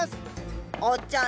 おっちゃん